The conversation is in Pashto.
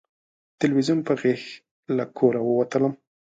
تلویزیون په غېږ له کوره ووتلم